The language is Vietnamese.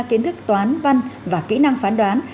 kiến thức toán văn và kỹ năng phán đoán